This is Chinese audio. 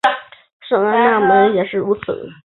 圣安娜门也是如此。